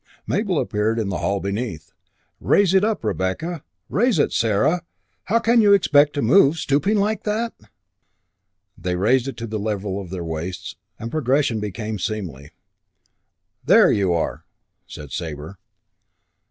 Mabel appeared in the hail beneath. "Raise it up, Rebecca. Raise it, Sarah. How can you expect to move, stooping like that?" They raised it to the level of their waists, and progression became seemly. "There you are!" said Sabre.